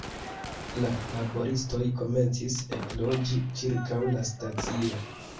La laboristoj komencis ekloĝi ĉirkaŭ la stacio.